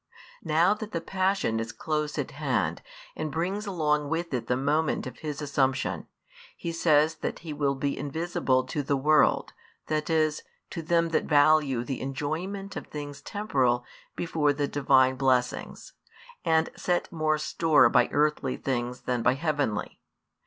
Now that the Passion is close at hand, and brings along with it the moment of His Assumption, He says that He will be invisible to the world, that is, to them that value the enjoyment of things temporal before the Divine blessings, and set more store by earthly things than by heavenly.